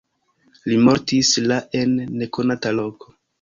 Li mortis la en nekonata loko.